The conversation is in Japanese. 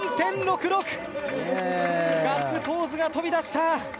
ガッツポーズが飛び出した。